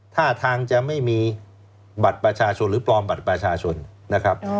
ท่าทางจะไม่มีบัตรประชาชนหรือปลอมบัตรประชาชนนะครับ